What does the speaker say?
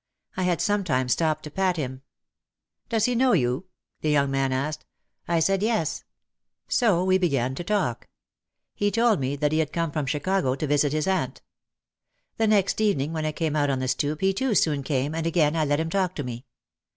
I had sometimes stopped to pat him. "Does he know you?" the young man asked. I said, "Yes." So we began to talk. He told me that he had come from Chicago to visit his aunt. The next evening when I came out on the stoop he too soon came and again I let him talk to me.